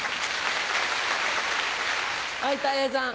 はいたい平さん。